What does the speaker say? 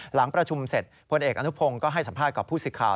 หลังประชุมเสร็จพลเอกอนุพงศ์ก็ให้สัมภาษณ์กับผู้สิทธิ์ข่าว